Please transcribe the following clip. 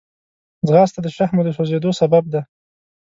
ځغاسته د شحمو د سوځېدو سبب ده